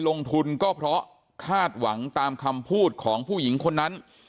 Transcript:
ลงทุนก็เพราะคาดหวังตามคำพูดของผู้หญิงคนนั้น